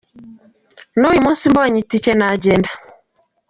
N'uyu munsi mbonye itike nagenda.